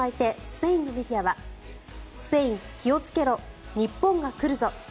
スペインのメディアはスペイン、気をつけろ日本が来るぞ！